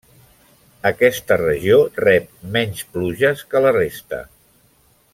Aquesta regió rep menys pluges que la resta.